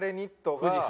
富士山？